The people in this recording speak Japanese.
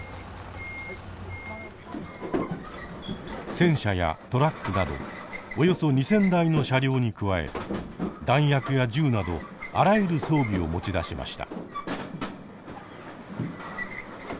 戦車やトラックなどおよそ２，０００台の車両に加え弾薬や銃などあらゆる装備を持ち出しました。